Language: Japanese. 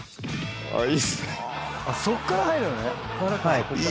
そっから入るのね。